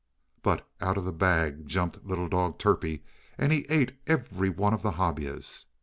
But out of the bag jumped little dog Turpie, and he ate every one of the Hobyahs.